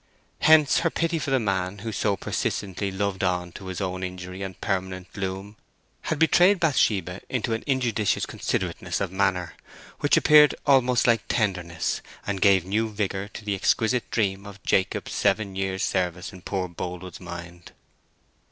Hence her pity for the man who so persistently loved on to his own injury and permanent gloom had betrayed Bathsheba into an injudicious considerateness of manner, which appeared almost like tenderness, and gave new vigour to the exquisite dream of a Jacob's seven years service in poor Boldwood's mind.